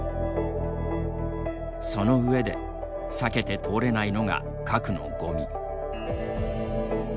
その上で、避けて通れないのが核のごみ。